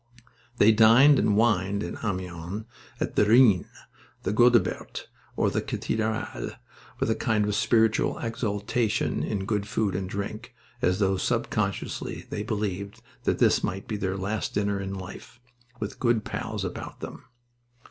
They dined and wined in Amiens at the "Rhin," the "Godebert," or the "Cathedrale," with a kind of spiritual exaltation in good food and drink, as though subconsciously they believed that this might be their last dinner in life, with good pals about them.